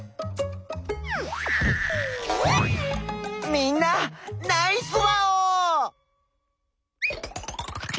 みんなナイスワオー！